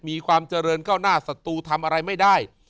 มีความเจริญเข้าหน้าสัตว์ตัวทำอะไรไม่ได้